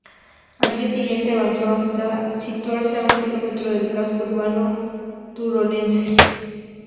Al día siguiente avanzó hasta situarse a un kilómetro del casco urbano turolense.